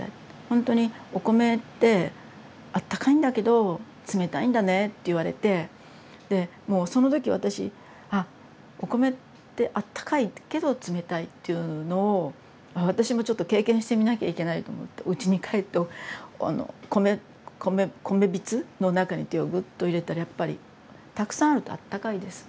ほんとにお米ってあったかいんだけど冷たいんだねって言われてでもうその時私「あお米ってあったかいけど冷たいっていうのを私もちょっと経験してみなきゃいけない」と思ってうちに帰って米びつの中に手をグッと入れたらやっぱりたくさんあるとあったかいです